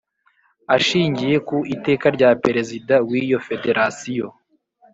Ashingiye ku Iteka rya Perezida wiyo federasiyo